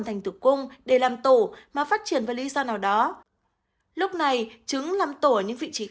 thành tựu cung để làm tổ mà phát triển với lý do nào đó lúc này trứng làm tổ ở những vị trí